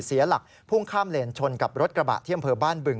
เสียหลักพุ่งข้ามเลนชนกับรถกระบะที่อำเภอบ้านบึง